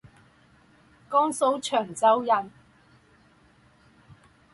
江苏长洲人。